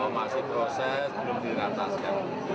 masih proses belum dirataskan